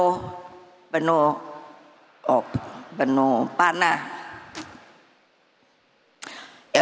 nanti katanya saya bumega provokator ya saya sekarang provokator demi kebenaran dan keadilan